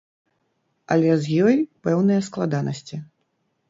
Але з ёй пэўныя складанасці.